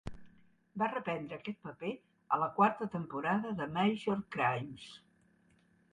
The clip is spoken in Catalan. Va reprendre aquest paper a la quarta temporada de "Major Crimes".